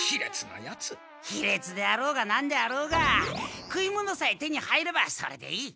ひれつであろうがなんであろうが食い物さえ手に入ればそれでいい。